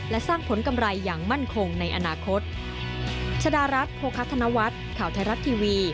และสร้างผลกำไรอย่างมั่นคงในอนาคต